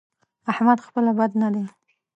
احمد خپله بد نه دی؛